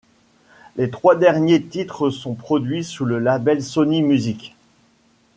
Les trois derniers titres sont produits sous le label Sony Music.